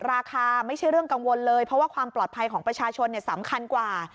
ราคาไม่ใช่เรื่องกังวลเลยเพราะว่าความปลอดภัยของประชาชนสำคัญกว่า